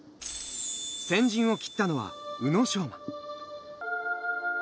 先陣を切ったのは宇野昌磨。